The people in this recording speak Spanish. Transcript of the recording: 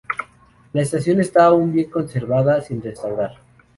La estación está aún bien conservada, sin restaurar.